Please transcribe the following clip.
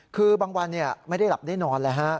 คือบางวันไม่ได้หลับได้นอนเลยฮะ